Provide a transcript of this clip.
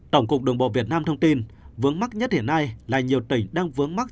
tổng cục đồng bộ việt nam thông tin vướng mắt nhất hiện nay là nhiều tỉnh đang vướng mắt